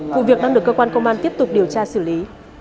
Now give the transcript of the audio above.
vụ việc đang được cơ quan công an tiếp tục điều tra xử lý